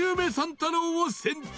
太郎を選択